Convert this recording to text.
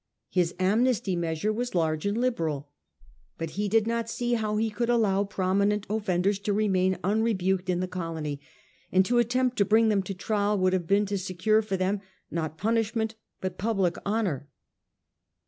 His amnesty measure was large and liberal ; but he did not see that he could allow prominent offenders to remain unrebuked in the colony ; and to attempt to bring them to trial would have been to secure for them, not punishment, but public honour.